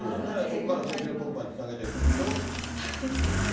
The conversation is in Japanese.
そこから選挙特番につなげていくんでしょ？